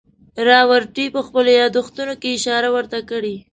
راورټي په خپلو یادښتونو کې اشاره ورته کړې.